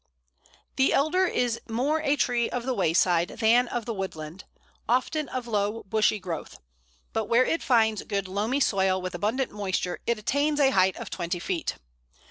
] The Elder is more a tree of the wayside than of the woodland, often of low bushy growth; but where it finds good loamy soil with abundant moisture it attains a height of twenty feet.